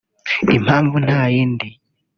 Impamvu nta yindi